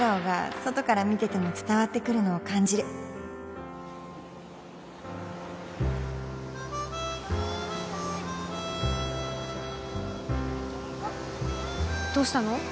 外から見てても伝わってくるのを感じるどうしたの？